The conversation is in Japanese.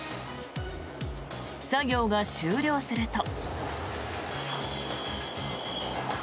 作業が終了すると。